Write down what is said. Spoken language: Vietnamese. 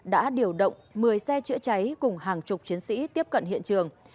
đã điều động một mươi xe chữa cháy cùng hàng chục chiến sĩ tiếp cận hiện trường